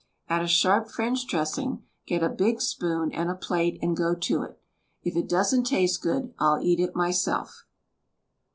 Add a sharp French dressing, get a big spoon and a plate and go to it. If it doesn't taste good, I'll eat it myself.